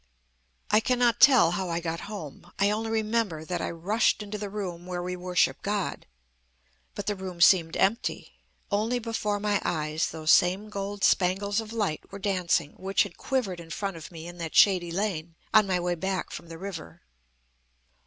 "I cannot tell how I got home. I only remember that I rushed into the room where we worship God. But the room seemed empty. Only before my eyes those same gold spangles of light were dancing which had quivered in front of me in that shady lane on my way back from the river.